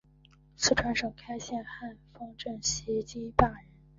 四川省开县汉丰镇西津坝人。